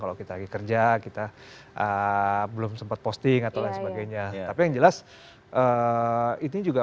kalau kita lagi kerja kita belum sempat posting atau lain sebagainya tapi yang jelas ini juga